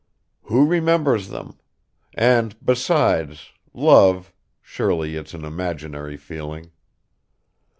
"Who remembers them? And besides, love ... surely it's an imaginary feeling."